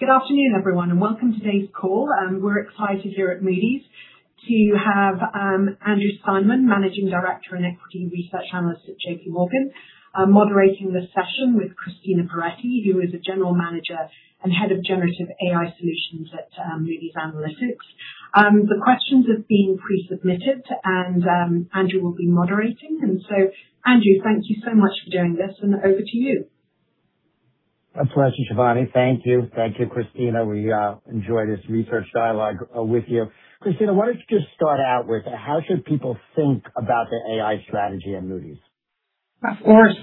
Good afternoon, everyone, and welcome to today's call. We're excited here at Moody's to have Andrew Steinerman, Managing Director and Equity Research Analyst at JPMorgan, moderating this session with Cristina Pieretti, who is the General Manager and Head of Generative AI Solutions at Moody's Analytics. The questions have been pre-submitted, Andrew will be moderating. Andrew, thank you so much for doing this, and over to you. A pleasure, Shivani. Thank you. Thank you, Cristina. We enjoy this research dialogue with you. Cristina, why don't you just start out with how should people think about the AI strategy at Moody's? Of course.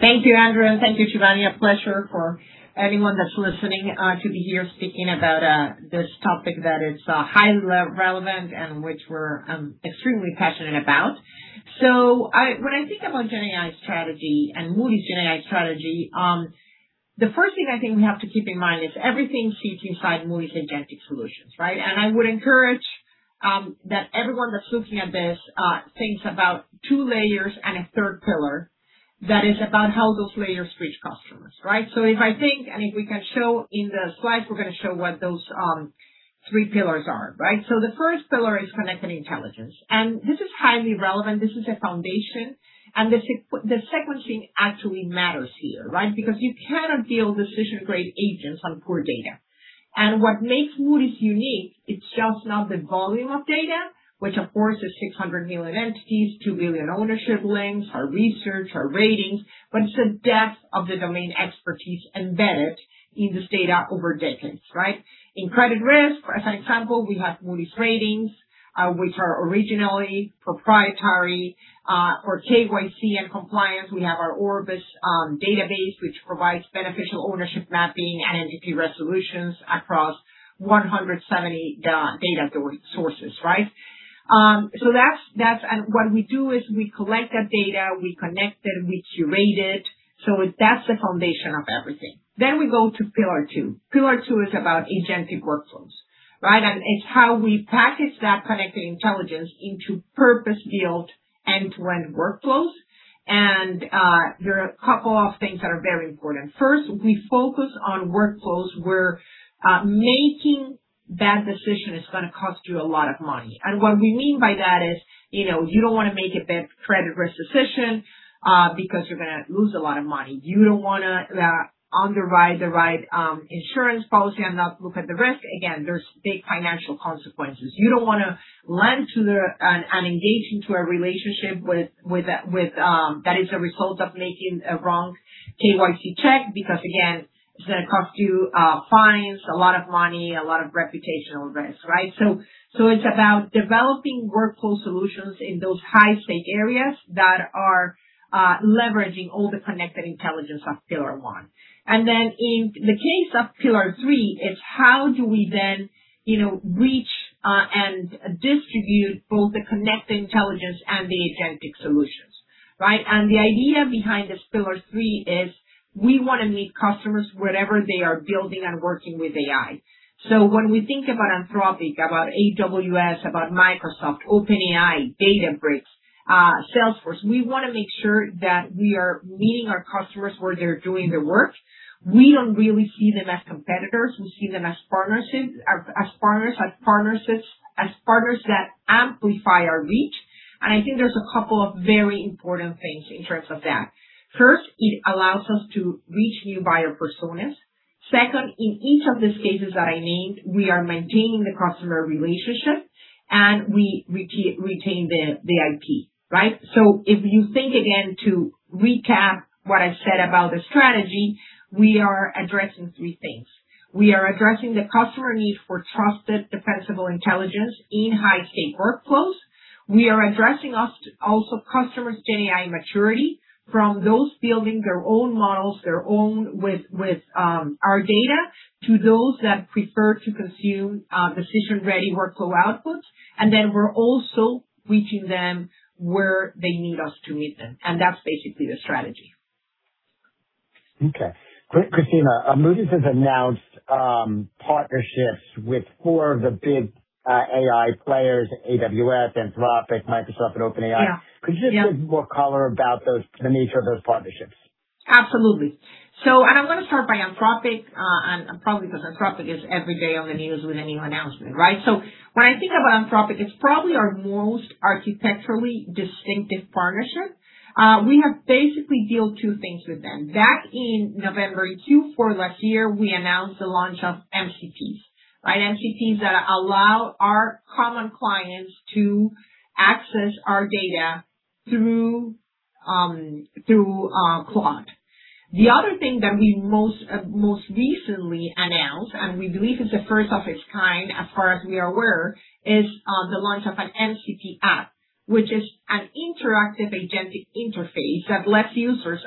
Thank you, Andrew, and thank you, Shivani. A pleasure for anyone that's listening to be here speaking about this topic that is highly relevant and which we're extremely passionate about. When I think about GenAI strategy and Moody's GenAI strategy, the first thing I think we have to keep in mind is everything sits inside Moody's agentic solutions, right? I would encourage that everyone that's looking at this thinks about two layers and a third pillar that is about how those layers reach customers, right? If I think and if we can show in the slides, we're going to show what those three pillars are, right? The first pillar is connected intelligence. This is highly relevant. This is a foundation. The sequencing actually matters here, right? Because you cannot build decision-grade agents on poor data. What makes Moody's unique, it's just not the volume of data, which, of course, is 600 million entities, 2 billion ownership links, our research, our ratings, but it's the depth of the domain expertise embedded in this data over decades, right? In credit risk, as an example, we have Moody's Ratings, which are originally proprietary. For KYC and compliance, we have our Orbis database, which provides beneficial ownership mapping and entity resolutions across 170 data sources, right? What we do is we collect that data, we connect it, we curate it. That's the foundation of everything. We go to Pillar 2. Pillar 2 is about agentic workflows, right? It's how we package that connected intelligence into purpose-built end-to-end workflows. There are a couple of things that are very important. First, we focus on workflows where making bad decisions is going to cost you a lot of money. What we mean by that is you don't want to make a bad credit risk decision because you're going to lose a lot of money. You don't want to underwrite the right insurance policy and not look at the risk. Again, there's big financial consequences. You don't want to lend to and engage into a relationship that is a result of making a wrong KYC check because, again, it's going to cost you fines, a lot of money, a lot of reputational risk, right? It's about developing workflow solutions in those high-stake areas that are leveraging all the connected intelligence of pillar one. In the case of pillar three, it's how do we then reach and distribute both the connected intelligence and the agentic solutions, right? The idea behind this pillar three is we want to meet customers wherever they are building and working with AI. When we think about Anthropic, about AWS, about Microsoft, OpenAI, Databricks, Salesforce, we want to make sure that we are meeting our customers where they're doing their work. We don't really see them as competitors. We see them as partners that amplify our reach. I think there's a couple of very important things in terms of that. First, it allows us to reach new buyer personas. Second, in each of these cases that I named, we are maintaining the customer relationship, and we retain the IP, right? If you think, again, to recap what I said about the strategy, we are addressing three things. We are addressing the customer need for trusted, defensible intelligence in high-stake workflows. We are addressing also customers' Gen AI maturity from those building their own models with our data to those that prefer to consume decision-ready workflow outputs. We're also reaching them where they need us to meet them. That's basically the strategy. Okay. Great, Cristina. Moody's has announced partnerships with four of the big AI players, AWS, Anthropic, Microsoft, and OpenAI. Yeah. Could you just give more color about the nature of those partnerships? Absolutely. I'm going to start by Anthropic, probably because Anthropic is every day on the news with a new announcement, right? When I think about Anthropic, it's probably our most architecturally distinctive partnership. We have basically built two things with them. Back in November 24 last year, we announced the launch of MCPs. Right? MCPs that allow our common clients to access our data through Claude. The other thing that we most recently announced, and we believe it's the first of its kind, as far as we are aware, is the launch of an MCP app, which is an interactive agentic interface that lets users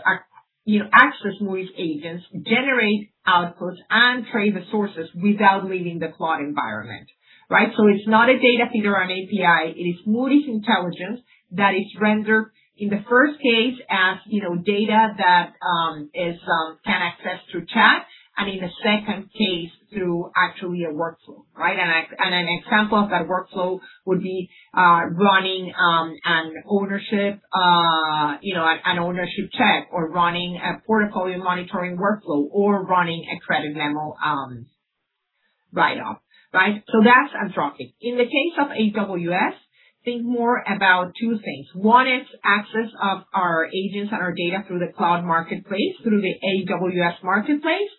access Moody's agents, generate outputs, and trace the sources without leaving the Claude environment. Right? It's not a data feeder or API. It is Moody's intelligence that is rendered in the first case as data that can access through chat, and in the second case, through actually a workflow, right? An example of that workflow would be running an ownership check or running a portfolio monitoring workflow or running a credit memo write-off. That's Anthropic. In the case of AWS, think more about two things. One is access of our agents and our data through the cloud marketplace, through the AWS Marketplace.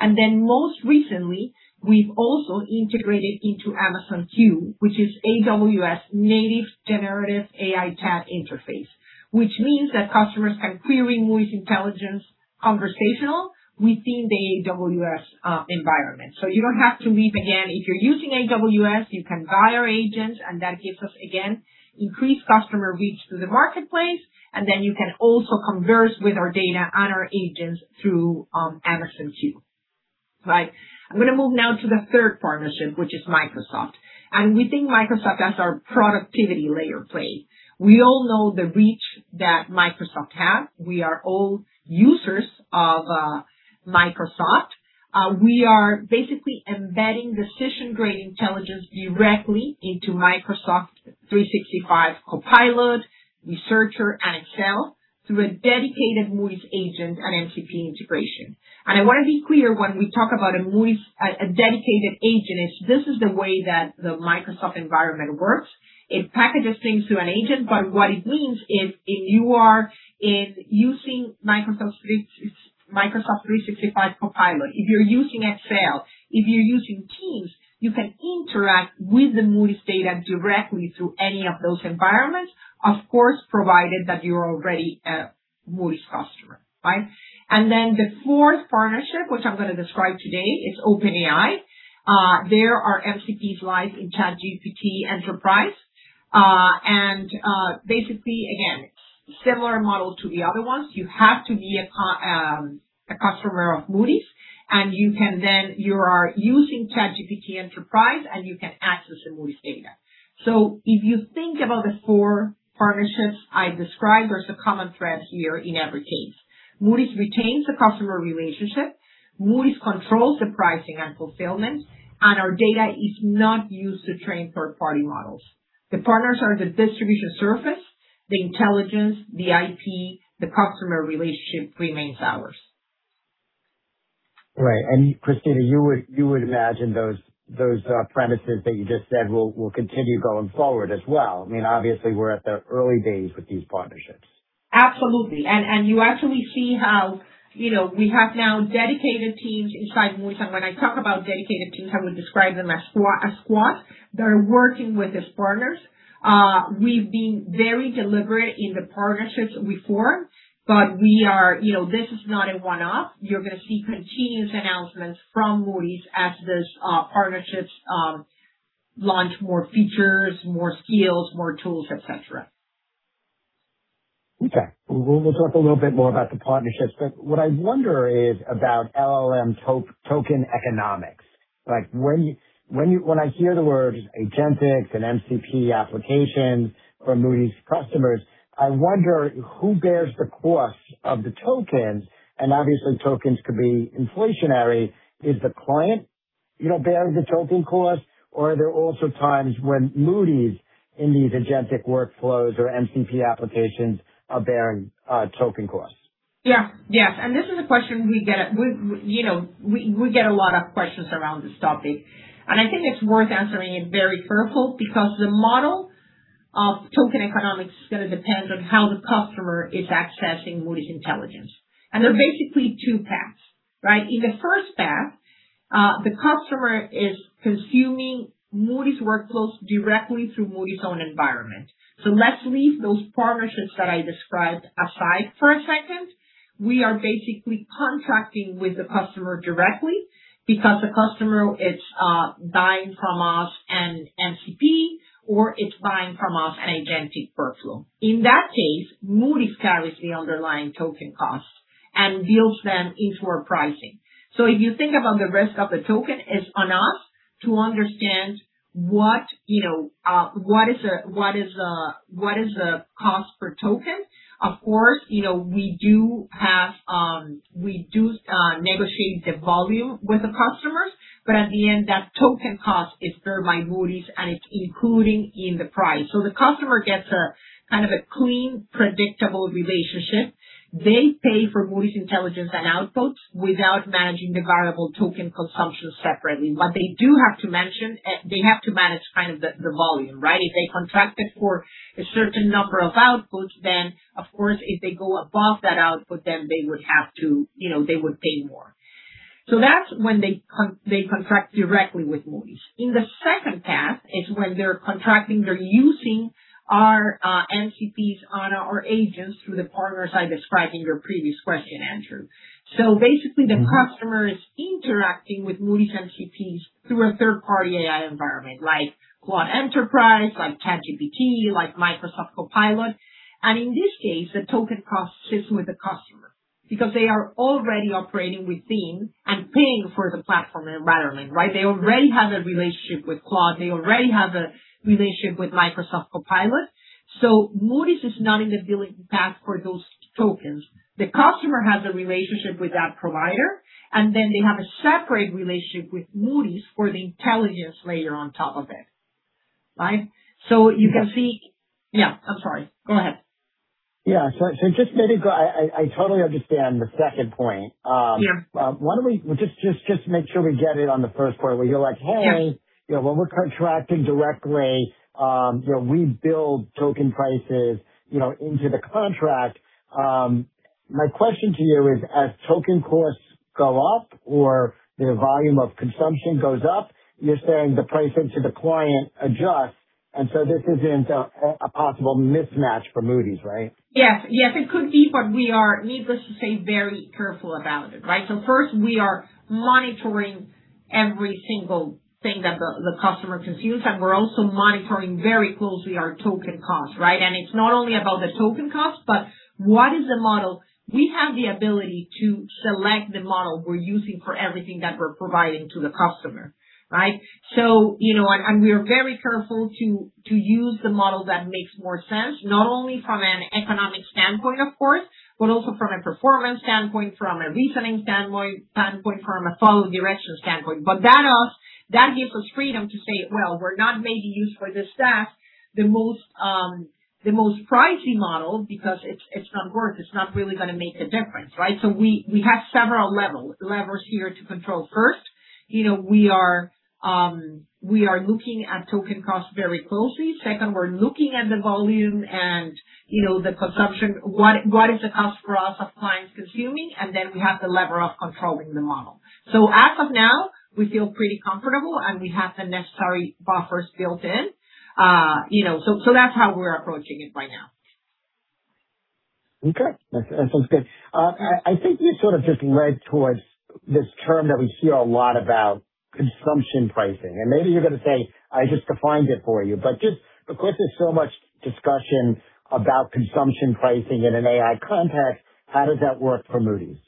Then most recently, we've also integrated into Amazon Q, which is AWS native generative AI chat interface. Which means that customers can query Moody's intelligence conversational within the AWS environment. You don't have to leave again. If you're using AWS, you can buy our agents, that gives us, again, increased customer reach through the marketplace, then you can also converse with our data and our agents through Amazon Q. I'm going to move now to the third partnership, which is Microsoft. We think Microsoft as our productivity layer play. We all know the reach that Microsoft have. We are all users of Microsoft. We are basically embedding decision-grade intelligence directly into Microsoft 365 Copilot, Researcher, and Excel through a dedicated Moody's agent and MCP integration. I want to be clear when we talk about a dedicated agent is this is the way that the Microsoft environment works. What it means is if you are using Microsoft 365 Copilot, if you're using Excel, if you're using Teams, you can interact with the Moody's data directly through any of those environments, of course, provided that you're already a Moody's customer. Then the fourth partnership, which I'm going to describe today, is OpenAI. There are MCPs live in ChatGPT Enterprise. Basically, again, similar model to the other ones. You have to be a customer of Moody's, and you can then you are using ChatGPT Enterprise, and you can access the Moody's data. If you think about the four partnerships I described, there's a common thread here in every case. Moody's retains the customer relationship, Moody's controls the pricing and fulfillment, and our data is not used to train third-party models. The partners are the distribution surface, the intelligence, the IP, the customer relationship remains ours. Right. Cristina, you would imagine those premises that you just said will continue going forward as well. I mean, obviously, we're at the early days with these partnerships. Absolutely. You actually see how we have now dedicated teams inside Moody's. When I talk about dedicated teams, I would describe them as squads that are working with these partners. We've been very deliberate in the partnerships we form, but this is not a one-off. You're going to see continuous announcements from Moody's as these partnerships launch more features, more skills, more tools, etc. Okay. We'll talk a little bit more about the partnerships. What I wonder is about LLM token economics. When I hear the words agentic and MCP applications for Moody's customers, I wonder who bears the cost of the tokens. Obviously, tokens could be inflationary. Is the client bearing the token cost, or are there also times when Moody's in these agentic workflows or MCP applications are bearing token costs? Yeah. This is a question we get. We get a lot of questions around this topic. I think it's worth answering it very careful because the model of token economics is going to depend on how the customer is accessing Moody's intelligence. There are basically two paths. In the first path, the customer is consuming Moody's workflows directly through Moody's own environment. Let's leave those partnerships that I described aside for a second. We are basically contracting with the customer directly because the customer is buying from us an MCP or it's buying from us an agentic workflow. In that case, Moody's carries the underlying token cost and builds them into our pricing. If you think about the risk of the token, it's on us to understand what is the cost per token. Of course, we do negotiate the volume with the customers, at the end, that token cost is there by Moody's, and it's including in the price. The customer gets kind of a clean, predictable relationship. They pay for Moody's intelligence and outputs without managing the variable token consumption separately. They do have to manage kind of the volume, right? If they contracted for a certain number of outputs, of course, if they go above that output, they would pay more. That's when they contract directly with Moody's. In the second path is when they're contracting, they're using our MCP on our agents through the partners I described in your previous question, Andrew. Basically, the customer is interacting with Moody's MCP through a third-party AI environment like Claude Enterprise, like ChatGPT, like Microsoft Copilot. In this case, the token cost sits with the customer because they are already operating within and paying for the platform they're running. They already have a relationship with Claude. They already have a relationship with Microsoft Copilot. Moody's is not in the billing path for those tokens. The customer has a relationship with that provider, and then they have a separate relationship with Moody's for the intelligence layer on top of it. Right? You can see. Yeah, I'm sorry. Go ahead. Yeah. I totally understand the second point. Yeah. Just make sure we get it on the first part where you're like, hey when we're contracting directly, we build token prices into the contract. My question to you is, as token costs go up or the volume of consumption goes up, you're saying the pricing to the client adjusts, and so this isn't a possible mismatch for Moody's, right? Yes. It could be, but we are, needless to say, very careful about it, right? First, we are monitoring every single thing that the customer consumes, and we're also monitoring very closely our token costs, right? It's not only about the token costs, but what is the model. We have the ability to select the model we're using for everything that we're providing to the customer, right? We are very careful to use the model that makes more sense, not only from an economic standpoint of course, but also from a performance standpoint, from a reasoning standpoint, from a follow direction standpoint. That gives us freedom to say, well, we're not maybe used for this task, the most pricey model, because it's not worth, it's not really going to make a difference, right? We have several levers here to control. First, we are looking at token costs very closely. Second, we're looking at the volume and the consumption. What is the cost for us of clients consuming? Then we have the lever of controlling the model. As of now, we feel pretty comfortable, and we have the necessary buffers built in. That's how we're approaching it right now. Okay. That sounds good. I think this sort of just led towards this term that we hear a lot about consumption pricing. Maybe you're going to say, I just defined it for you, but because there's so much discussion about consumption pricing in an AI context, how does that work for Moody's?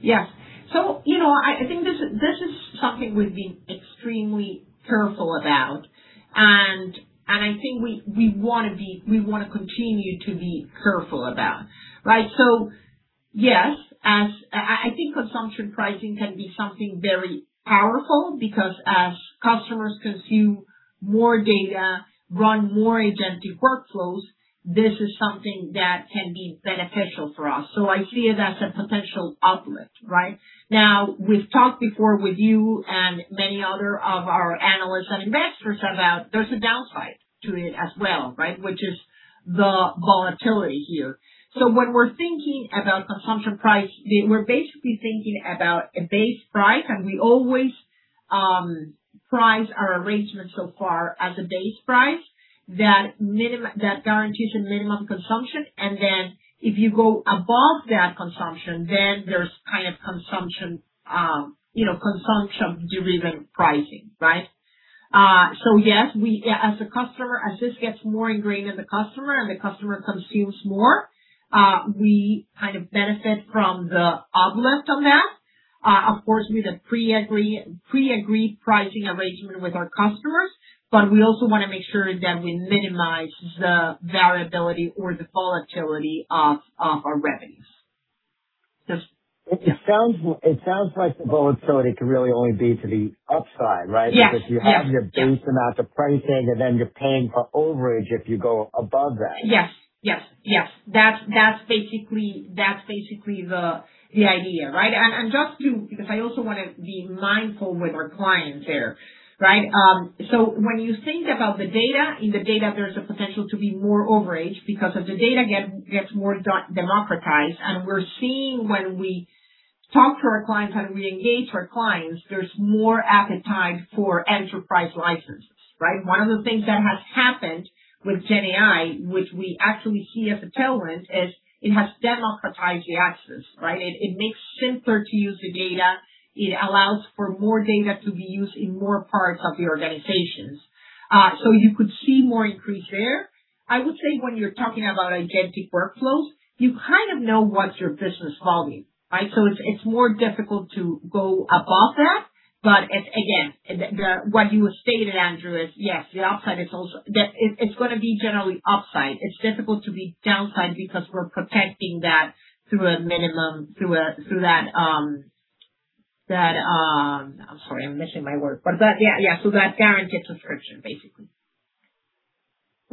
Yes. I think this is something we've been extremely careful about, and I think we want to continue to be careful about. Right? Yes, I think consumption pricing can be something very powerful because as customers consume more data, run more agentic workflows, this is something that can be beneficial for us. I see it as a potential uplift, right? Now, we've talked before with you and many other of our analysts and investors about there's a downside to it as well, right? Which is the volatility here. When we're thinking about consumption price, we're basically thinking about a base price, and we always price our arrangement so far as a base price that guarantees a minimum consumption. Then if you go above that consumption, then there's consumption-driven pricing, right? Yes, as this gets more ingrained in the customer and the customer consumes more, we kind of benefit from the uplift on that. Of course, with a pre-agreed pricing arrangement with our customers, but we also want to make sure that we minimize the variability or the volatility of our revenues. It sounds like the volatility can really only be to the upside, right? Yes. You have your base amount of pricing, and then you're paying for overage if you go above that. Yes. That's basically the idea, right? I also want to be mindful with our clients here. Right? When you think about the data, in the data, there's a potential to be more overaged because as the data gets more democratized, and we're seeing when we talk to our clients and we engage our clients, there's more appetite for enterprise licenses, right? One of the things that has happened with GenAI, which we actually see as a tailwind, is it has democratized the access, right? It makes it simpler to use the data. It allows for more data to be used in more parts of the organizations. You could see more increase there. I would say when you're talking about agentic workflows, you kind of know what's your business volume, right? It's more difficult to go above that. Again, what you stated, Andrew, is yes, it's going to be generally upside. It's difficult to be downside because we're protecting that through a minimum, that guaranteed subscription, basically.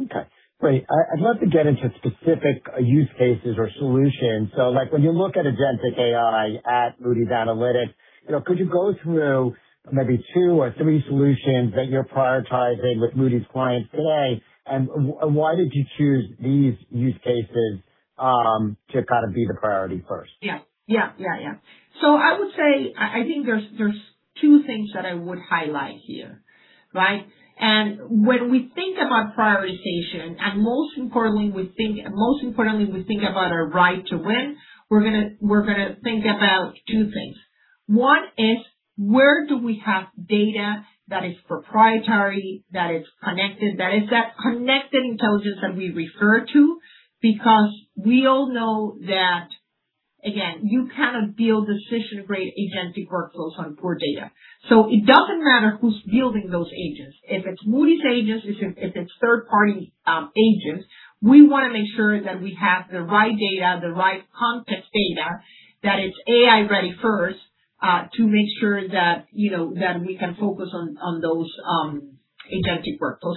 Okay, great. I'd love to get into specific use cases or solutions. When you look at agentic AI at Moody's Analytics, could you go through maybe two or three solutions that you're prioritizing with Moody's clients today? And why did you choose these use cases to kind of be the priority first? Yeah. I would say, I think there's two things that I would highlight here, right? When we think about prioritization, and most importantly, we think about our right to win, we're going to think about two things. One is where do we have data that is proprietary, that is connected, that is that connected intelligence that we refer to. We all know that, again, you cannot build decision-grade agentic workflows on poor data. It doesn't matter who's building those agents. If it's Moody's agents, if it's third-party agents, we want to make sure that we have the right data, the right context data, that it's AI-ready first to make sure that we can focus on those agentic workflows.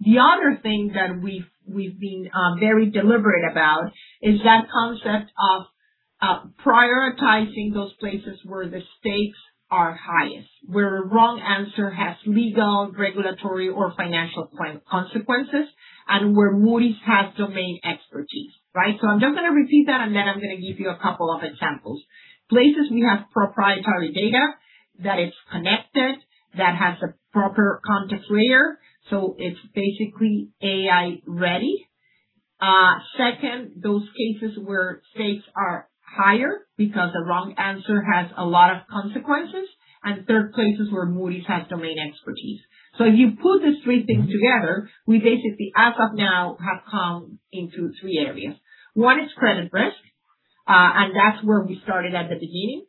The other thing that we've been very deliberate about is that concept of prioritizing those places where the stakes are highest, where a wrong answer has legal, regulatory, or financial consequences, and where Moody's has domain expertise. I'm just going to repeat that, I'm going to give you a couple of examples. Places we have proprietary data that is connected, that has a proper context layer, it's basically AI-ready. Second, those cases where stakes are higher the wrong answer has a lot of consequences. Third, places where Moody's has domain expertise. You put these three things together. We basically, as of now, have come into three areas. One is credit risk, that's where we started at the beginning.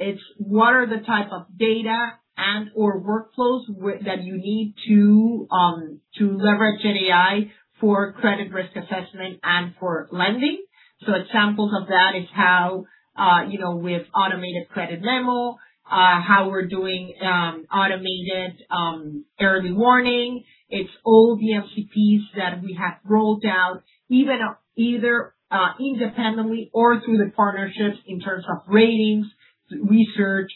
It's what are the type of data and/or workflows that you need to leverage GenAI for credit risk assessment and for lending. Examples of that is how with automated credit memo, how we're doing automated early warning. It's all the MCP that we have rolled out, either independently or through the partnerships in terms of ratings, research,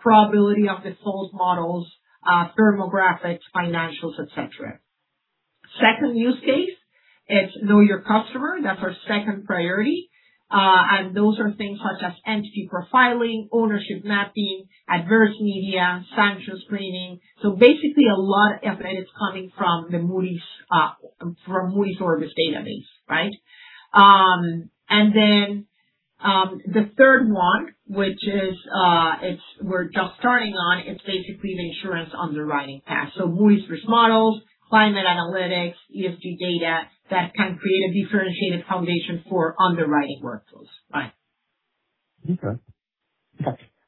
probability of default models, firmographics, financials, etc. Second use case, it's know your customer. That's our second priority. Those are things such as entity profiling, ownership mapping, adverse media, sanctions screening. Basically a lot of analytics coming from Moody's Orbis database. The third one, which we're just starting on, it's basically the insurance underwriting path. Moody's risk models, climate analytics, ESG data that can create a differentiated foundation for underwriting workflows.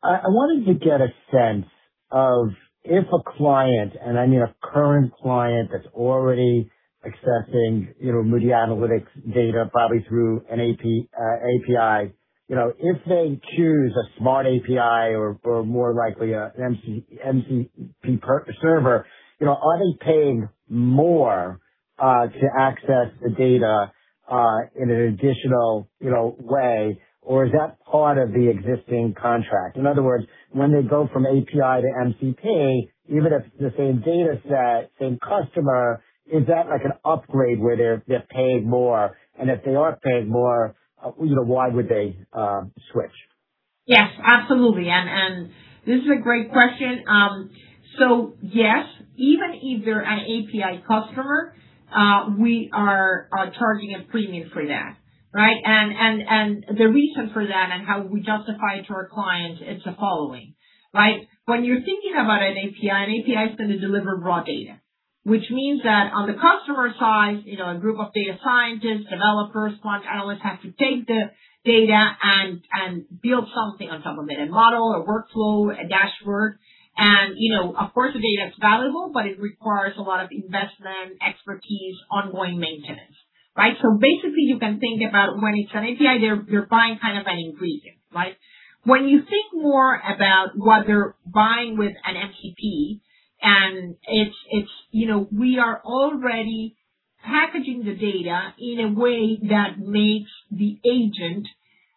I wanted to get a sense of if a client, I mean a current client that's already accessing Moody's Analytics data, probably through an API. If they choose a Smart API or more likely a MCP server, are they paying more to access the data in an additional way, or is that part of the existing contract? In other words, when they go from API to MCP, even if it's the same dataset, same customer, is that like an upgrade where they're paying more? If they are paying more, why would they switch? Yes, absolutely. This is a great question. Yes, even if you're an API customer, we are charging a premium for that. The reason for that and how we justify to our clients is the following. When you're thinking about an API, an API is going to deliver raw data, which means that on the customer side, a group of data scientists, developers, quant analysts, have to take the data and build something on top of it, a model, a workflow, a dashboard. Of course, the data is valuable, but it requires a lot of investment, expertise, ongoing maintenance. Basically, you can think about when it's an API, you're buying kind of an ingredient. When you think more about what they're buying with an MCP, and we are already packaging the data in a way that makes the agent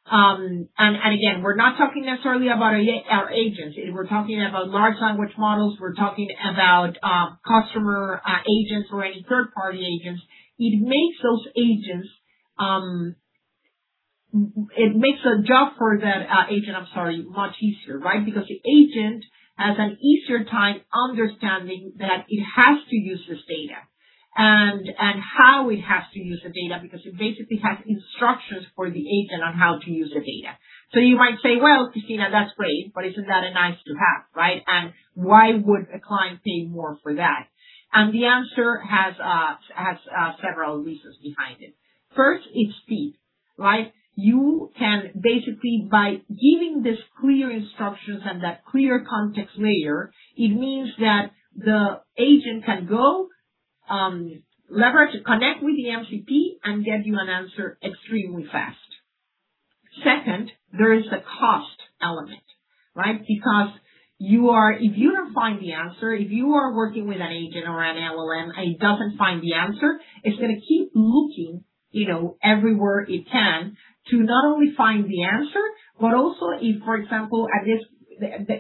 and again, we're not talking necessarily about our agents. We're talking about large language models. We're talking about customer agents or any third-party agents. It makes the job for that agent much easier. The agent has an easier time understanding that it has to use this data and how it has to use the data because it basically has instructions for the agent on how to use the data. You might say, well, Cristina, that's great, but isn't that a nice-to-have? And why would a client pay more for that? The answer has several reasons behind it. First, it's speed. You can basically by giving these clear instructions and that clear context layer, it means that the agent can go leverage, connect with the MCP, and get you an answer extremely fast. Second, there is the cost element. If you don't find the answer, if you are working with an agent or an LLM and it doesn't find the answer, it's going to keep looking everywhere it can to not only find the answer, but also if, for example,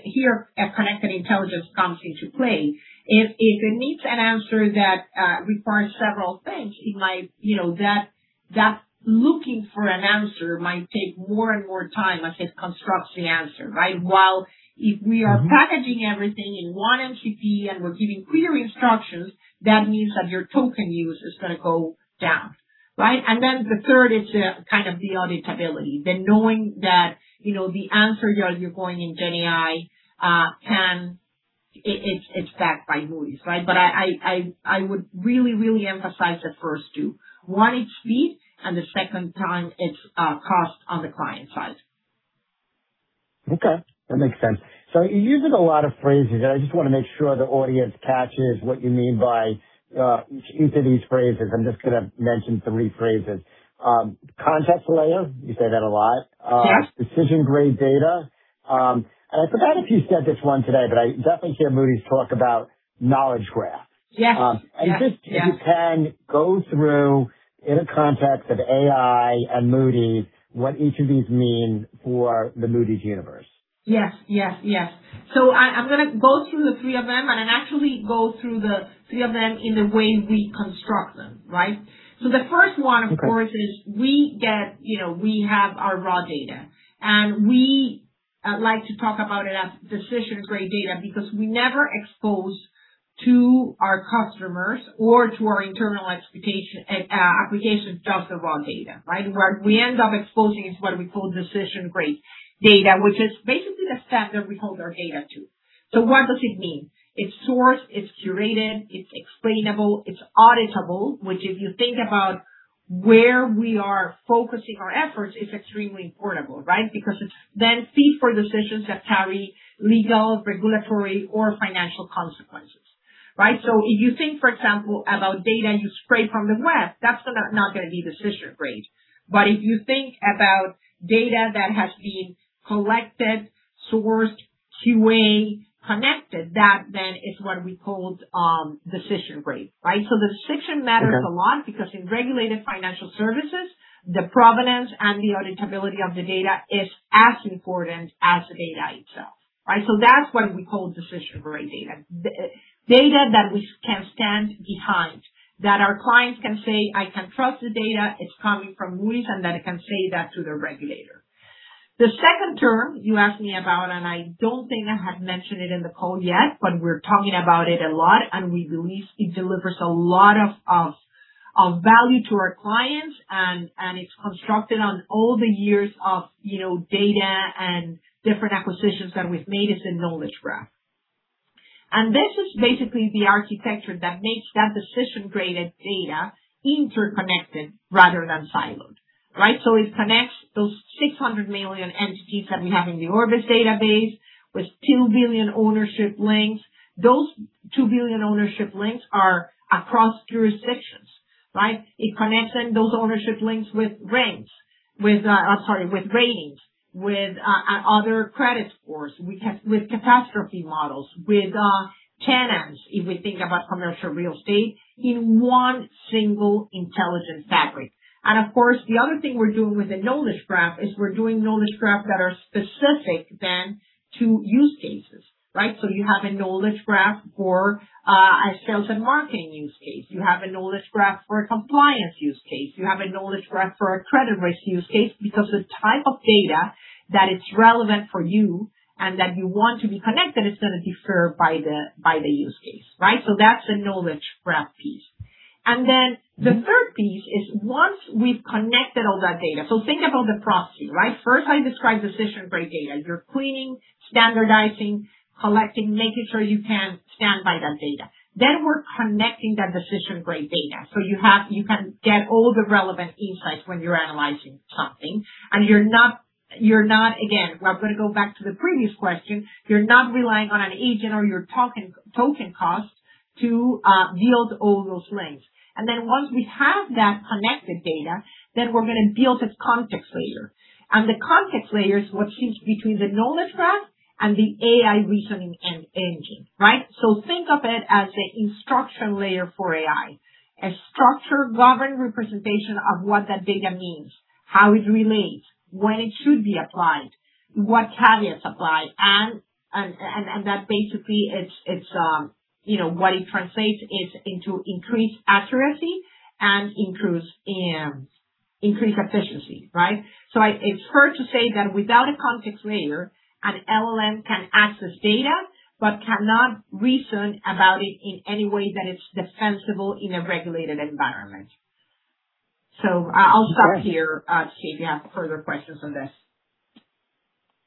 here, a connected intelligence comes into play. If it needs an answer that requires several things, that looking for an answer might take more and more time as it constructs the answer. While if we are packaging everything in one MCP and we're giving clear instructions, that means that your token use is going to go down. The third is kind of the auditability, the knowing that the answer you're going in GenAI, it's backed by Moody's. I would really emphasize the first two. One, it's speed, and the second time it's cost on the client side. Okay, that makes sense. You're using a lot of phrases, and I just want to make sure the audience catches what you mean by each of these phrases. I'm just going to mention three phrases. Context layer, you say that a lot. Yes. Decision-grade data. I forgot if you said this one today, but I definitely hear Moody's talk about knowledge graph. Yes. If you can go through, in the context of AI and Moody's, what each of these mean for the Moody's universe. Yes. I'm going to go through the three of them, and actually go through the three of them in the way we construct them. The first one, of course, is we have our raw data, and we like to talk about it as decision-grade data because we never expose to our customers or to our internal application just the raw data. What we end up exposing is what we call decision-grade data, which is basically the standard we hold our data to. What does it mean? It's sourced, it's curated, it's explainable, it's auditable. Which if you think about where we are focusing our efforts, it's extremely important. Because it's then feed for decisions that carry legal, regulatory, or financial consequences. If you think, for example, about data you scrape from the web, that's not going to be decision-grade. If you think about data that has been collected, sourced, QA-connected, that then is what we called decision-grade. Decision matters a lot because in regulated financial services, the provenance and the auditability of the data is as important as the data itself. That's what we call decision-grade data. Data that we can stand behind, that our clients can say, I can trust the data. It's coming from Moody's, and that it can say that to the regulator. The second term you asked me about, and I don't think I have mentioned it in the call yet, but we're talking about it a lot, and we believe it delivers a lot of value to our clients. It's constructed on all the years of data and different acquisitions that we've made, is a knowledge graph. This is basically the architecture that makes that decision-grade data interconnected rather than siloed. It connects those 600 million entities that we have in the Orbis database with 2 billion ownership links. Those 2 billion ownership links are across jurisdictions. It connects then those ownership links with ranks, I'm sorry, with ratings, with other credit scores, with catastrophe models, with tenants if we think about commercial real estate in one single intelligent fabric. Of course, the other thing we're doing with the knowledge graph is we're doing knowledge graphs that are specific then to use cases. You have a knowledge graph for a sales and marketing use case. You have a knowledge graph for a compliance use case. You have a knowledge graph for a credit risk use case. Because the type of data that is relevant for you and that you want to be connected is going to differ by the use case. That's the knowledge graph piece. The third piece is once we've connected all that data. Think about the process. First I described decision-grade data. You're cleaning, standardizing, collecting, making sure you can stand by that data. We're connecting that decision-grade data so you can get all the relevant insights when you're analyzing something and you're not, again, I'm going to go back to the previous question, you're not relying on an agent or your token cost to build all those links. Then once we have that connected data, then we're going to build this context layer. The context layer is what sits between the knowledge graph and the AI reasoning engine. Think of it as the instruction layer for AI, a structured, governed representation of what that data means, how it relates, when it should be applied, what caveats apply. That basically what it translates is into increased accuracy and increased efficiency. Right? It's fair to say that without a context layer, an LLM can access data but cannot reason about it in any way that it's defensible in a regulated environment. I'll stop here, see if you have further questions on this.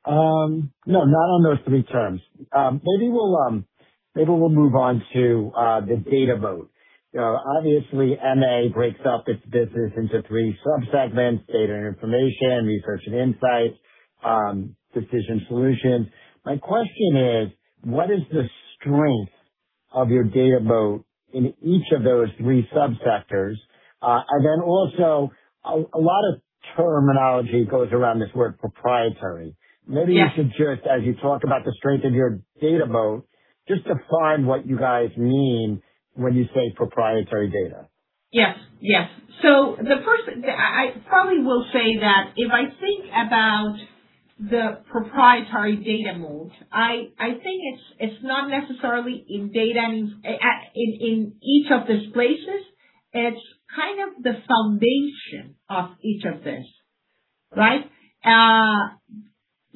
No, not on those three terms. Maybe we'll move on to the data moat. Obviously, MA breaks up its business into three sub-segments, Data and Information, Research and Insights, Decision Solutions. My question is, what is the strength of your data moat in each of those three sub-sectors? Then also a lot of terminology goes around this word proprietary. Yes. Maybe you should just, as you talk about the strength of your data moat, just define what you guys mean when you say proprietary data. Yes. The first, I probably will say that if I think about the proprietary data moat, I think it's not necessarily in each of these places. It's kind of the foundation of each of these. Right?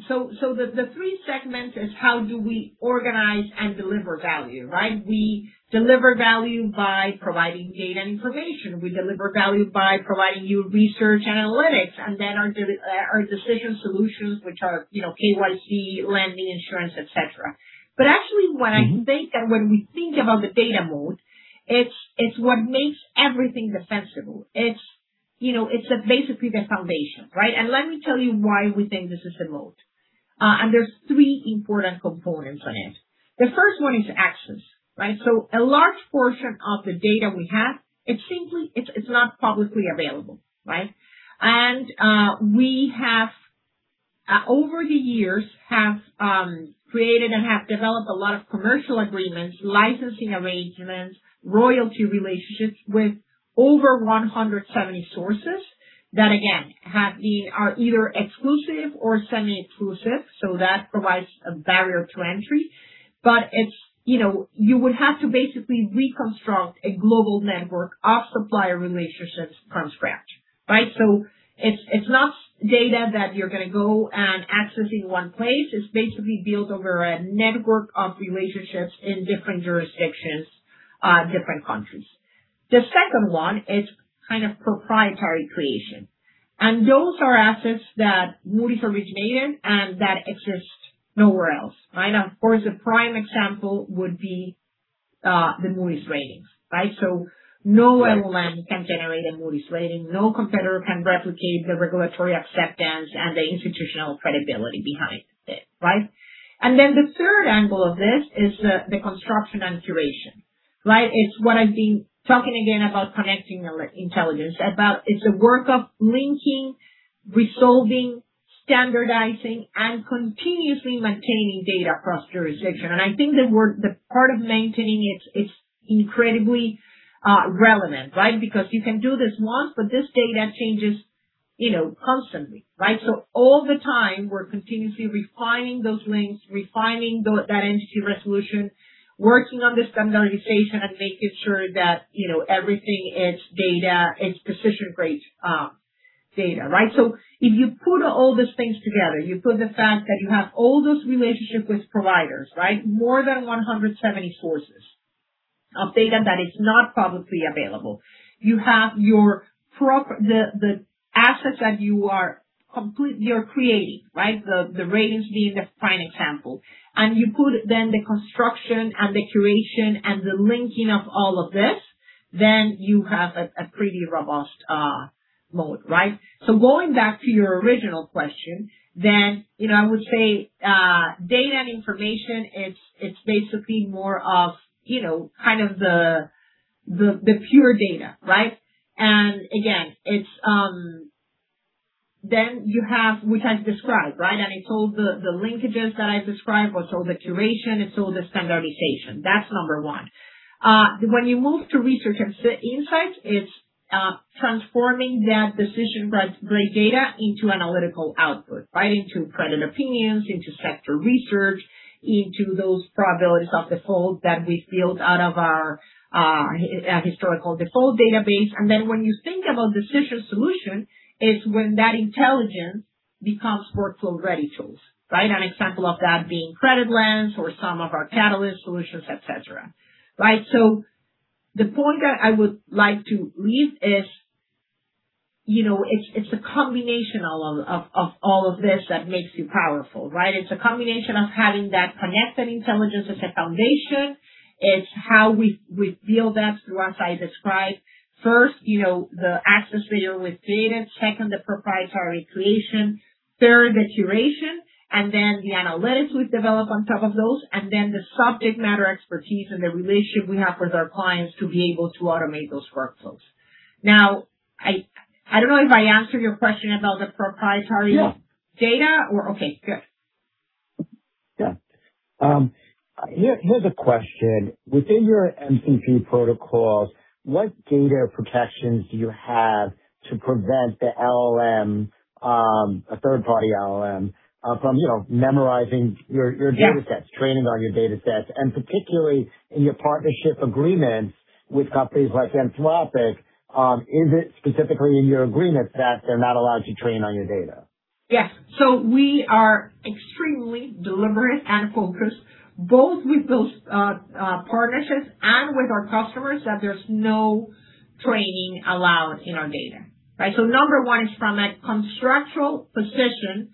The three segments is how do we organize and deliver value, right? We deliver value by providing Data and Information. We deliver value by providing you research analytics, then our Decision Solutions, which are KYC, lending, insurance, etc. Actually, when we think about the data moat, it's what makes everything defensible. It's basically the foundation, right? Let me tell you why we think this is a moat. There's three important components on it. The first one is access, right? A large portion of the data we have, it's not publicly available, right? We have, over the years, have created and have developed a lot of commercial agreements, licensing arrangements, royalty relationships with over 170 sources that again, are either exclusive or semi-exclusive. That provides a barrier to entry. You would have to basically reconstruct a global network of supplier relationships from scratch, right? It's not data that you're going to go and access in one place. It's basically built over a network of relationships in different jurisdictions, different countries. The second one is kind of proprietary creation, and those are assets that Moody's originated and that exists nowhere else, right? Of course, the prime example would be the Moody's ratings. Right? No LLM can generate a Moody's rating, no competitor can replicate the regulatory acceptance and the institutional credibility behind it, right? The third angle of this is the construction and curation. It's what I've been talking again about connected intelligence. It's the work of linking, resolving, standardizing, and continuously maintaining data across jurisdictions. I think the part of maintaining it's incredibly relevant, right? Because you can do this once, but this data changes constantly, right? All the time we're continuously refining those links, refining that entity resolution, working on the standardization, and making sure that everything is data, it's decision-grade data, right? If you put all these things together, you put the fact that you have all those relationships with providers. More than 170 sources of data that is not publicly available. You have the assets that you are creating, right? The ratings being the prime example. You put the construction and the curation and the linking of all of this, you have a pretty robust moat, right? Going back to your original question then, I would say Data and Information, it's basically more of kind of the pure data, right? Again, you have which I described, right? It's all the linkages that I described, it's all the curation, it's all the standardization. That's number one. When you move to Research and Insights, it's transforming that decision-grade data into analytical output, right? Into credit opinions, into sector research, into those probabilities of default that we build out of our historical default database. When you think about Decision Solutions, it's when that intelligence becomes workflow-ready tools, right? An example of that being CreditLens or some of our Catylist solutions, etc. Right? The point that I would like to leave is it's a combination of all of this that makes you powerful, right? It's a combination of having that connected intelligence as a foundation. It's how we build that through, as I described first, the access layer with data. Second, the proprietary creation, third, the curation, the analytics we develop on top of those, the subject matter expertise and the relationship we have with our clients to be able to automate those workflows. I don't know if I answered your question about the data or Okay, good. Yeah. Here is a question. Within your MCP protocols, what data protections do you have to prevent the LLM, a third party LLM, from memorizing your datasets, training on your datasets, and particularly in your partnership agreements with companies like Anthropic, is it specifically in your agreements that they are not allowed to train on your data? Yes. We are extremely deliberate and focused both with those partnerships and with our customers, that there is no training allowed in our data, right? Number one is from a contractual position,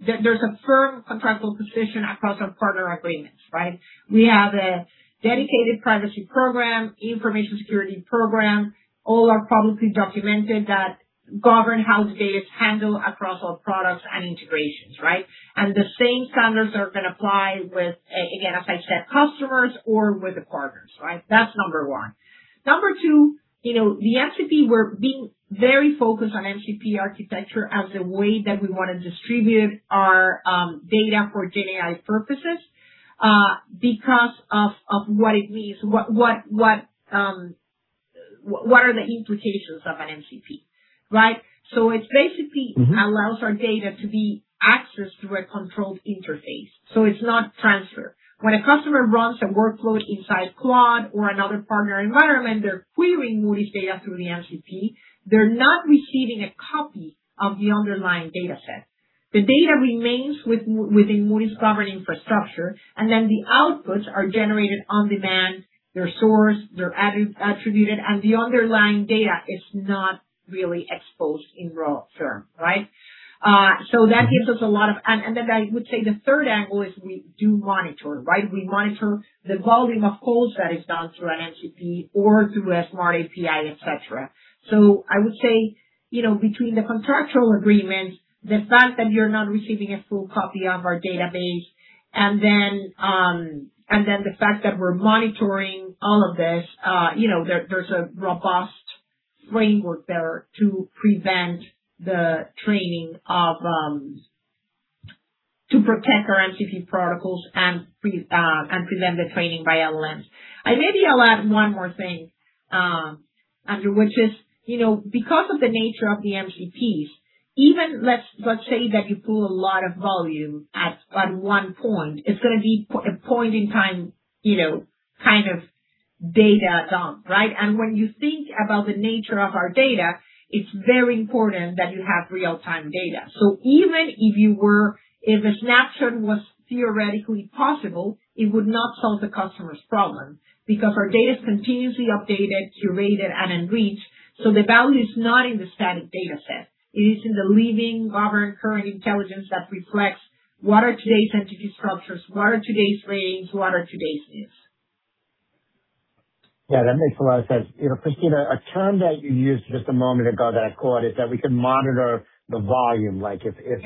there is a firm contractual position across our partner agreements, right? We have a dedicated privacy program, information security program. All are publicly documented that govern how the data is handled across all products and integrations, right? The same standards are going to apply with, again, as I said, customers or with the partners, right? That is number one. Number two, the MCP, we are being very focused on MCP architecture as a way that we want to distribute our data for GenAI purposes. Because of what it means, what are the implications of an MCP, right? It basically allows our data to be accessed through a controlled interface, so it is not transferred. When a customer runs a workflow inside Claude or another partner environment, they are querying Moody's data through the MCP. They are not receiving a copy of the underlying dataset. The data remains within Moody's governed infrastructure. The outputs are generated on demand. They are sourced, they are attributed, and the underlying data is not really exposed in raw terms, right? That gives us a lot of. I would say the third angle is we do monitor, right? We monitor the volume of calls that is done through an MCP or through a Smart API, etc. I would say, between the contractual agreements, the fact that you are not receiving a full copy of our database, the fact that we are monitoring all of this, there is a robust framework there to protect our MCP protocols and prevent the training by LLMs. Maybe I'll add one more thing, Andrew, which is, because of the nature of the MCP, even let's say that you pull a lot of volume at one point, it's going to be a point in time kind of data dump. Right? When you think about the nature of our data, it's very important that you have real-time data. Even if a snapshot was theoretically possible, it would not solve the customer's problem because our data is continuously updated, curated, and enriched. The value is not in the static data set. It is in the living, governed, current intelligence that reflects what are today's entity structures, what are today's ratings, what are today's news. Yeah, that makes a lot of sense. Cristina, a term that you used just a moment ago that I caught is that we can monitor the volume. Yes. If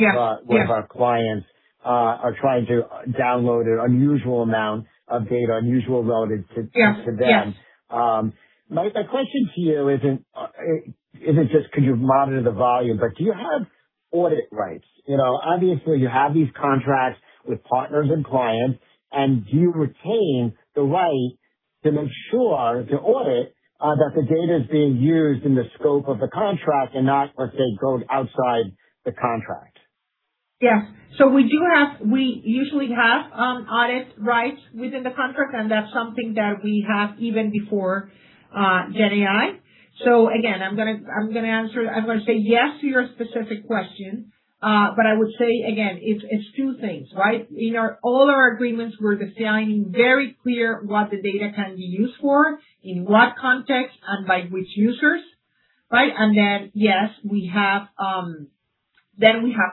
one of our clients are trying to download an unusual amount of data, unusual relative to them. Yes. My question to you isn't just could you monitor the volume, but do you have audit rights? Obviously, you have these contracts with partners and clients, and do you retain the right to ensure, to audit that the data is being used in the scope of the contract and not, let's say, goes outside the contract? Yes. We usually have audit rights within the contract, and that's something that we have even before GenAI. Again, I'm going to say yes to your specific question, but I would say again, it's two things, right? In all our agreements, we're defining very clear what the data can be used for, in what context, and by which users, right? Then, yes, then we have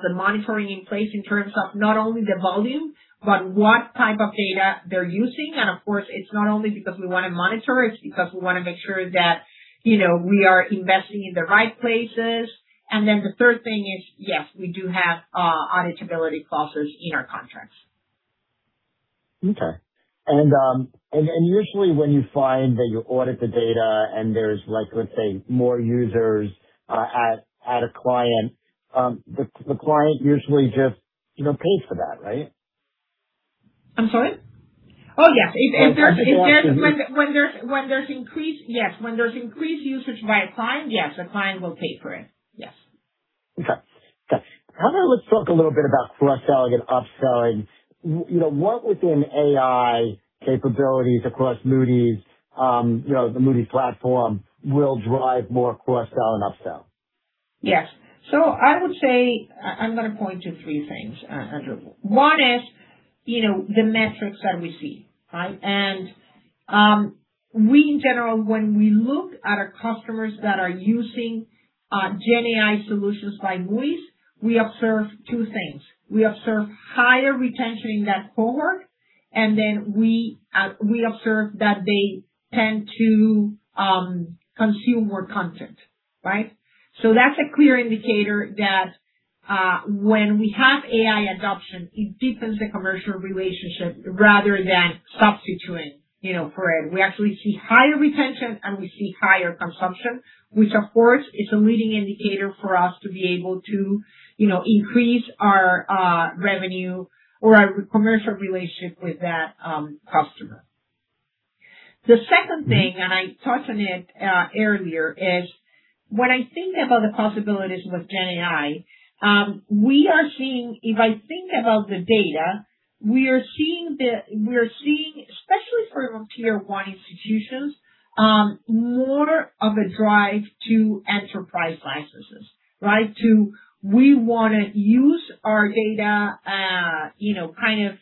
the monitoring in place in terms of not only the volume, but what type of data they're using. Of course, it's not only because we want to monitor, it's because we want to make sure that we are investing in the right places. Then the third thing is, yes, we do have auditability clauses in our contracts. Okay. Usually when you find that you audit the data and there's, let's say, more users at a client, the client usually just pays for that, right? I'm sorry? Yes. When there's increased usage by a client, yes, the client will pay for it. Yes. Okay. Got it. How about let's talk a little bit about cross-selling and upselling. What within AI capabilities across Moody's, the Moody's platform, will drive more cross-sell and upsell? Yes. I would say, I'm going to point to three things, Andrew. One is the metrics that we see. We, in general, when we look at our customers that are using GenAI solutions by Moody's, we observe two things. We observe higher retention in that cohort, and then we observe that they tend to consume more content. That's a clear indicator that when we have AI adoption, it deepens the commercial relationship rather than substituting for it. We actually see higher retention and we see higher consumption, which of course is a leading indicator for us to be able to increase our revenue or our commercial relationship with that customer. The second thing, I touched on it earlier, is when I think about the possibilities with GenAI, if I think about the data, we are seeing, especially for Tier 1 institutions, more of a drive to enterprise licenses. We want to use our data, kind of,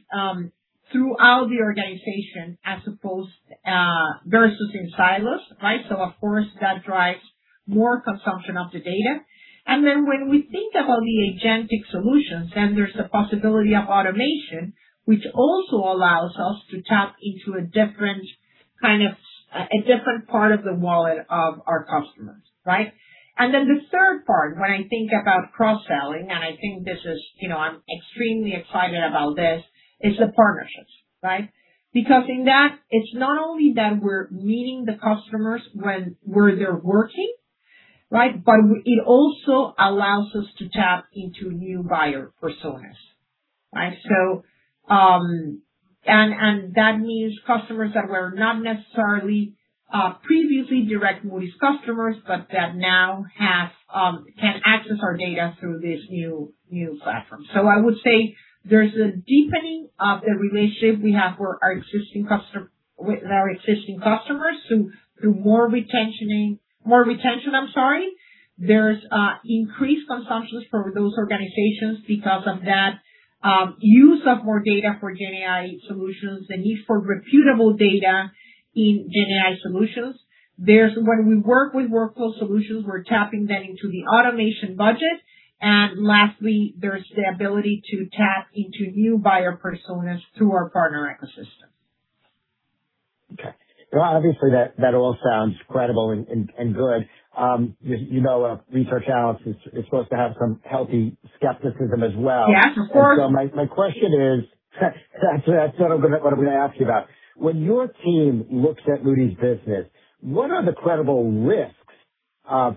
throughout the organization as opposed, versus in silos. Of course, that drives more consumption of the data. When we think about the agentic solutions, then there's the possibility of automation, which also allows us to tap into a different part of the wallet of our customers. The third part, when I think about cross-selling, and I'm extremely excited about this, is the partnerships. In that, it's not only that we're meeting the customers where they're working, but it also allows us to tap into new buyer personas. That means customers that were not necessarily previously direct Moody's customers, but that now can access our data through this new platform. I would say there's a deepening of the relationship we have with our existing customers through more retention. There's increased consumptions for those organizations because of that. Use of more data for GenAI solutions, the need for reputable data in GenAI solutions. When we work with workflow solutions, we're tapping that into the automation budget. Lastly, there's the ability to tap into new buyer personas through our partner ecosystem. Okay. Obviously that all sounds credible and good. Research analysts are supposed to have some healthy skepticism as well. Yes, of course. My question is, that's what I'm going to ask you about. When your team looks at Moody's business, what are the credible risks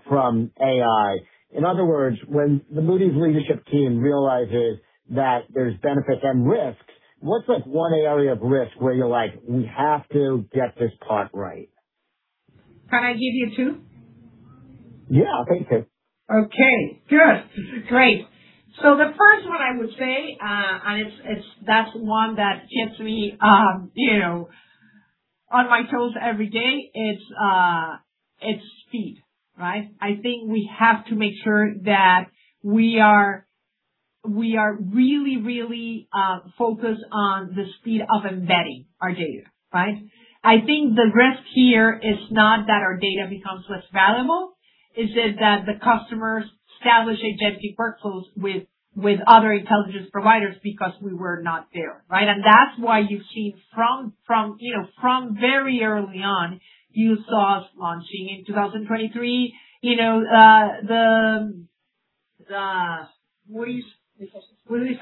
from AI? In other words, when the Moody's leadership team realizes that there's benefits and risks, what's one area of risk where you're like, we have to get this part right? Can I give you two? Yeah, I'll take two. Okay, good. Great. The first one I would say, and that's one that gets me on my toes every day is speed. I think we have to make sure that we are really focused on the speed of embedding our data. I think the risk here is not that our data becomes less valuable, it's that the customers establish agentic workflows with other intelligence providers because we were not there. That's why you've seen from very early on, you saw us launching in 2023.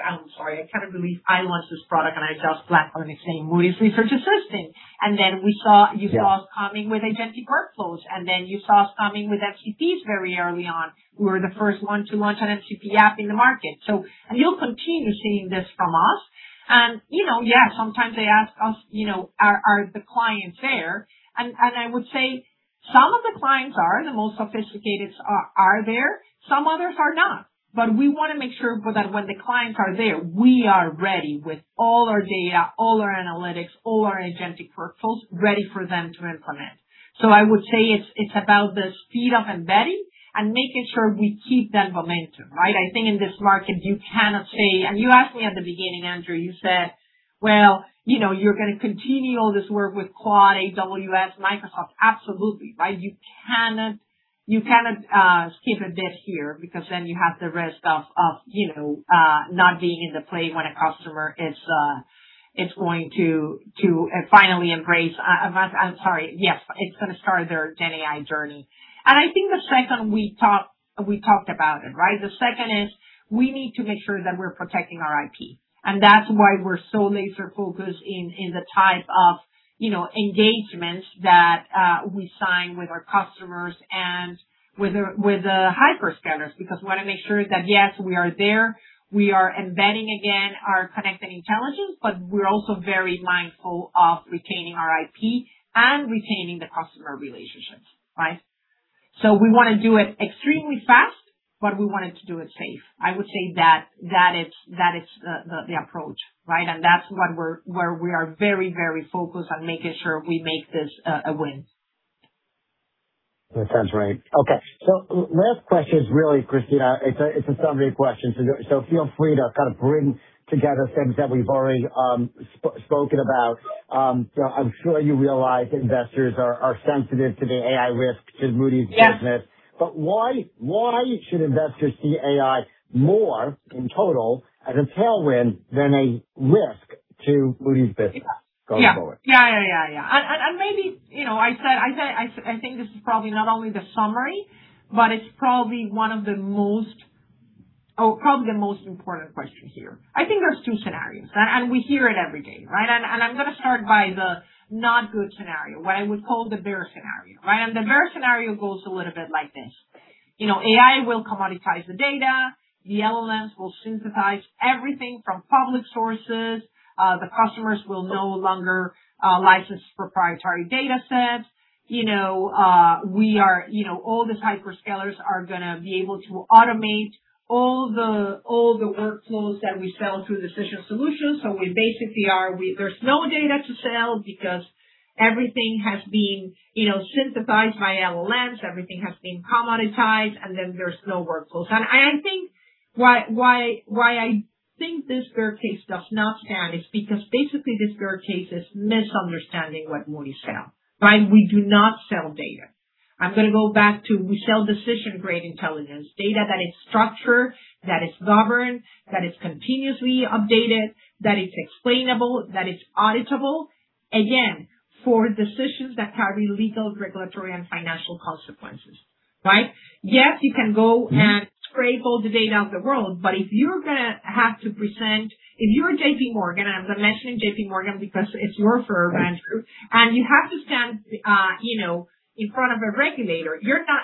I'm sorry, I can't believe I launched this product and EDF-X platform the same, Moody's Research Assistant. Then you saw us coming with agentic workflows. Then you saw us coming with MCP very early on. We were the first ones to launch an MCP app in the market. You'll continue seeing this from us. Sometimes they ask us, are the clients there? I would say some of the clients are, the most sophisticated are there, some others are not. We want to make sure that when the clients are there, we are ready with all our data, all our analytics, all our agentic workflows ready for them to implement. I would say it's about the speed of embedding and making sure we keep that momentum. I think in this market you cannot say, you asked me at the beginning, Andrew, you said, well, you're going to continue all this work with Claude, AWS, Microsoft. Absolutely. You cannot skip a beat here because then you have the risk of not being in the play when a customer is going to finally start their GenAI journey. I think the second we talked about it. The second is we need to make sure that we're protecting our IP. That's why we're so laser focused in the type of engagements that we sign with our customers and with the hyperscalers because we want to make sure that, yes, we are there, we are embedding again our connected intelligence, but we're also very mindful of retaining our IP and retaining the customer relationships. We want to do it extremely fast, but we want to do it safe. I would say that is the approach. That's where we are very focused on making sure we make this a win. That sounds right. Okay. Last question is really, Cristina, it's a summary question. Feel free to bring together things that we've already spoken about. I'm sure you realize investors are sensitive to the AI risk in Moody's business. Yes. Why should investors see AI more in total as a tailwind than a risk to Moody's business going forward? I think this is probably not only the summary, but it's probably one of the most important questions here. I think there's two scenarios and we hear it every day. I'm going to start by the not good scenario, what I would call the bear scenario. The bear scenario goes a little bit like this. AI will commoditize the data, the LLMs will synthesize everything from public sources. The customers will no longer license proprietary datasets. All these hyperscalers are going to be able to automate all the workflows that we sell through Decision Solutions. There's no data to sell because everything has been synthesized by LLMs, everything has been commoditized, and then there's no workflows. Why I think this bear case does not stand is because basically this bear case is misunderstanding what Moody's sell. We do not sell data. I'm going to go back to we sell decision-grade intelligence, data that is structured, that is governed, that is continuously updated, that is explainable, that is auditable, again, for decisions that carry legal, regulatory, and financial consequences. Yes, you can go and scrape all the data of the world, but if you're JPMorgan, as I'm mentioning JPMorgan because it's your firm, Andrew, and you have to stand in front of a regulator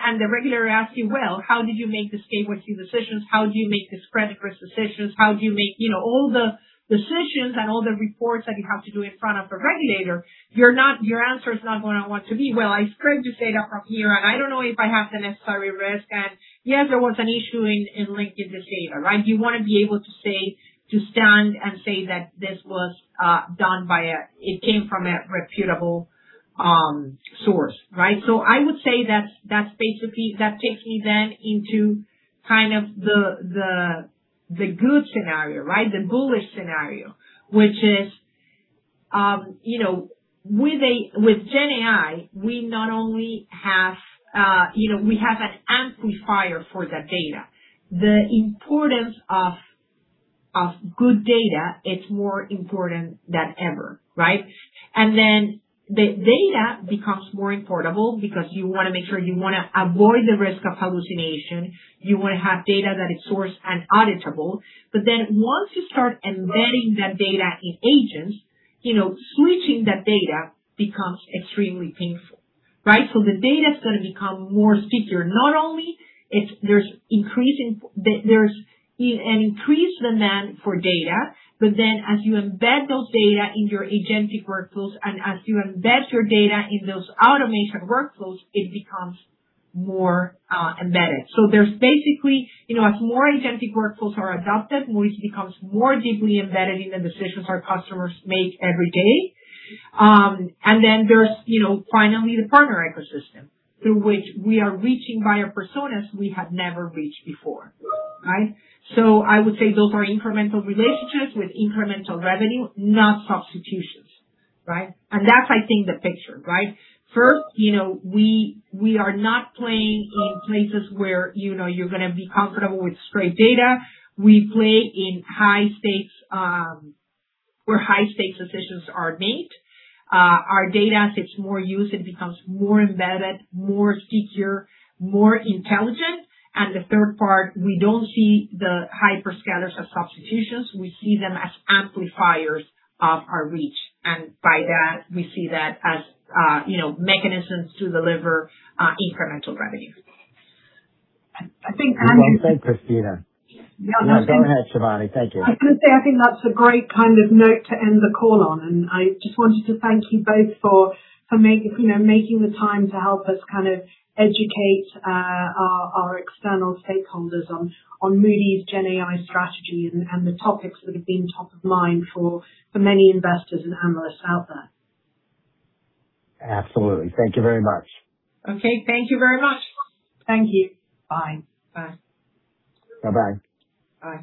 and the regulator asks you, well, how did you make this Gateway Two decisions? How do you make these credit risk decisions? How do you make all the decisions and all the reports that you have to do in front of a regulator? Your answer is not going to want to be, well, I scraped this data from here and I don't know if I have the necessary risk. Yes, there was an issue in linking this data. You want to be able to stand and say that this came from a reputable source. I would say that takes me then into the good scenario. The bullish scenario, which is with GenAI, we have an amplifier for that data. The importance of good data, it's more important than ever, right? The data becomes more importable because you want to make sure you want to avoid the risk of hallucination. You want to have data that is sourced and auditable. Once you start embedding that data in agents, switching that data becomes extremely painful, right? The data is going to become more secure. Not only there's an increased demand for data, as you embed those data in your agentic workflows and as you embed your data in those automation workflows, it becomes more embedded. There's basically, as more agentic workflows are adopted, Moody's becomes more deeply embedded in the decisions our customers make every day. There's finally the partner ecosystem through which we are reaching buyer personas we have never reached before, right? I would say those are incremental relationships with incremental revenue, not substitutions, right? That's, I think, the picture, right? First, we are not playing in places where you're going to be comfortable with straight data. We play where high-stakes decisions are made. Our data, as it's more used, it becomes more embedded, more secure, more intelligent. The third part, we don't see the hyperscalers as substitutions. We see them as amplifiers of our reach, by that, we see that as mechanisms to deliver incremental revenue. I think. Well said, Cristina. No, go ahead, Shivani. Thank you. I was going to say, I think that's a great kind of note to end the call on, and I just wanted to thank you both for making the time to help us kind of educate our external stakeholders on Moody's GenAI strategy and the topics that have been top of mind for many investors and analysts out there. Absolutely. Thank you very much. Okay, thank you very much. Thank you. Bye. Bye. Bye-bye. Bye.